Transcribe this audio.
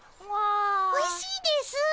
おいしいですぅ。